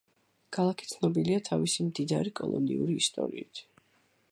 ქალაქი ცნობილია თავის მდიდარი კოლონიური ისტორიით.